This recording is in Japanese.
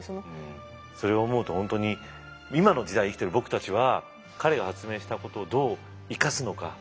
それを思うと本当に今の時代生きてる僕たちは彼が発明したことをどう生かすのか。